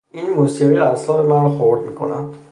این موسیقی اعصاب مرا خرد میکند.